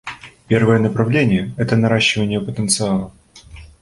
Первое направление — это наращивание потенциала.